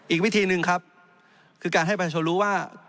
อีกวิธีหนึ่งครับคือการให้ประชาชนรู้ว่า